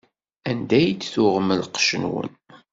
Anda i d-tuɣem lqec-nwen?